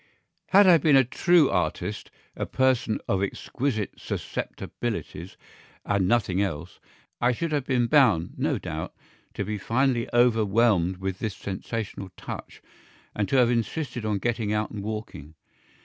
..... Had I been a true artist, a person of exquisite susceptibilities and nothing else, I should have been bound, no doubt, to be finally overwhelmed with this sensational touch, and to have insisted on getting out and walking.